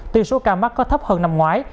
tuy số ca mắc có thấp hơn năm ngoái